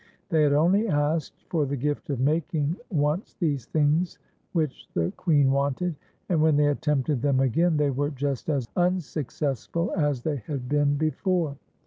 They had only asked for the gift of making once these things which the Queen wanted, and when they attempted them again they were just as unsuccessful as they had been be fore.